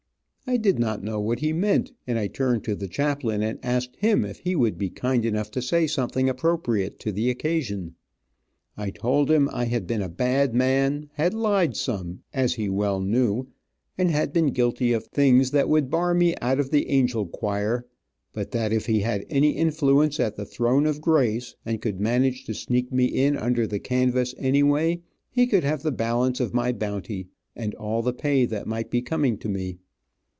I did not know what he meant, and I turned to the chaplain and asked him if he wouldn't be kind enough to say something appropriate to the occasion. I told him I had been a bad man, had lied some, as he well knew, and had been guilty of things that would bar me out of the angel choir, but that if he had any influence at the throne of grace, and could manage to sneak me in under the canvass anyway, he could have the balance of my bounty, and all the pay that might be coming to me.